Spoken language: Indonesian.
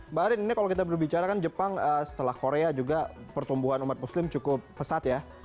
mbak arin ini kalau kita berbicara kan jepang setelah korea juga pertumbuhan umat muslim cukup pesat ya